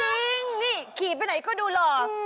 จริงนี่ขี่ไปไหนก็ดูหล่อ